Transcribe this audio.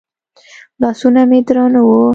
لاسونه مې درانه وو.